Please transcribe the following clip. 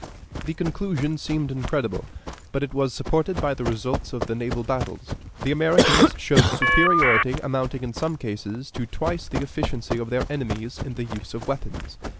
The conclusion seemed incredible, but it was supported by the results of the naval battles. The Americans showed superiority amounting in some cases to twice the efficiency of their enemies in the use of weapons.